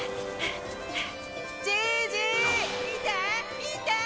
じいじ見て見て！